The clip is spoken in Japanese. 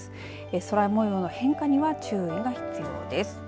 空もようの変化には注意が必要です。